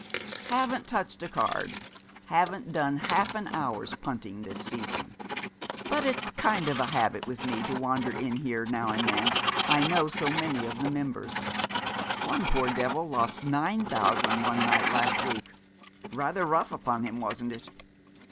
'Haven't touched a card. Haven't done half an hour's punting this season. But it's a kind of habit with me to wander in here now and then. I know so many of the members. One poor devil lost nine thousand one night last week. Rather rough upon him, wasn't it?